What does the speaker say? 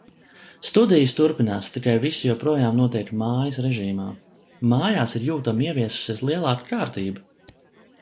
Studijas turpinās, tikai viss joprojām notiek mājas režīmā. Mājās ir jūtami ieviesusies lielāka kārtība.